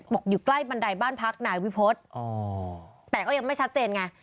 อยู่ใกล้บันไดบ้านพักนายวิพฤษแต่ก็ยังไม่ชัดเจนไง